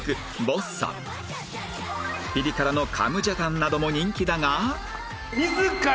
ボッサムピリ辛のカムジャタンなども人気だが